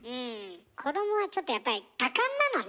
子どもはちょっとやっぱり多感なのね。